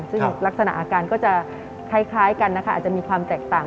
ซึ่งลักษณะอาการก็จะคล้ายกันนะคะอาจจะมีความแตกต่าง